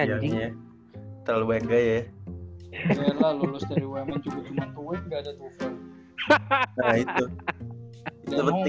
anjingnya terlalu enggak ya lulus dari wmn juga cuma tuwek nggak ada tuwek hahaha itu